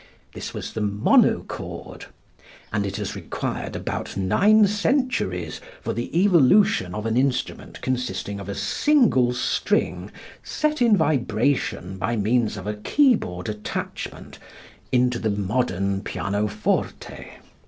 This was the monochord, and it has required about nine centuries for the evolution of an instrument consisting of a single string set in vibration by means of a keyboard attachment into the modern pianoforte.